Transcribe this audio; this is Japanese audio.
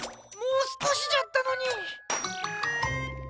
もうすこしじゃったのに。